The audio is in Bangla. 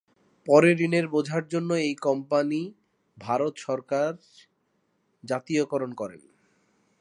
পরে ঋণের বোঝার জন্য এই কোম্পানী ভারত সরকার জাতীয়করণ করেন।